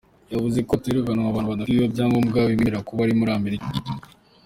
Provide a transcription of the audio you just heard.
Yavuze ko azirukana abantu badafite ibyangombwa bibemerera kuba muri Amerika.